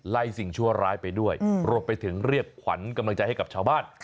สิ่งชั่วร้ายไปด้วยรวมไปถึงเรียกขวัญกำลังใจให้กับชาวบ้าน